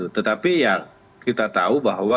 tetapi yang kita tahu bahwa